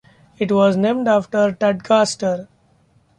It was named after Tadcaster.